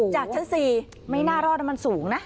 จากชั้น๔ไม่น่ารอดมันสูงนะ